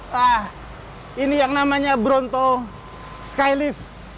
nah ini yang namanya bronto skylift